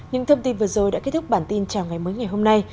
những thông tin vừa rồi đã kết thúc bản tin chào ngày mới ngày hôm nay